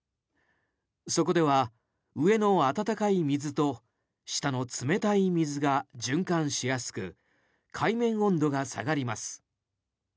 そこでは、上の暖かい水と下の冷たい水が循環しやすく海面温度が下がります。